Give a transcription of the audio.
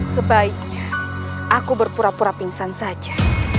sebaiknya aku berpura pura pingsan saja